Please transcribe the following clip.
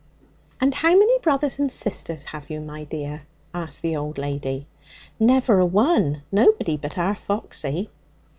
'And how many brothers and sisters have you, my dear?' asked the old lady. 'Never a one. Nobody but our Foxy.'